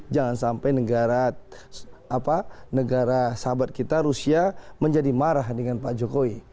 jangan sampai negara sahabat kita rusia menjadi marah dengan pak jokowi